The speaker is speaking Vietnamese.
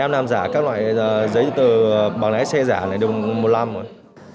em làm giả các loại giấy tờ bằng lái xe giả lại được một năm rồi